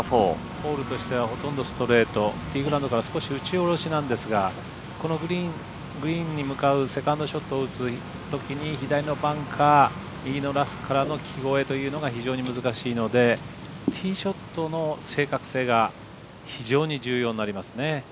ホールとしてはほとんどストレートティーグラウンドから少し打ち下ろしなんですがこのグリーンに向かうセカンドショットを打つ時に左のバンカー右のラフからへというのが非常に難しいのでティーショットの正確性が非常に重要になりますね。